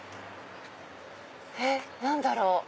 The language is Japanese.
えっ何だろう？